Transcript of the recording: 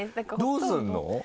どうするの？